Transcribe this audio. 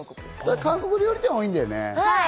韓国料理店が多いんだよね。